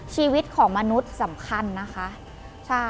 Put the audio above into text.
ชีวิตของมนุษย์สำคัญนะคะ